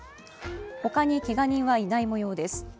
ほかにけが人はいない模様です。